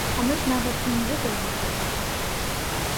А мы ж нават і не ведалі нічога.